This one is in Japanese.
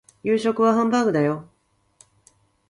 夕食はハンバーグだよ